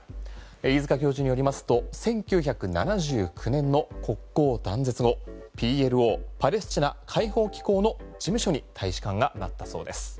飯塚教授によりますと１９７９年の国交断絶後ＰＬＯ・パレスチナ解放機構の事務所に大使館がなったそうです。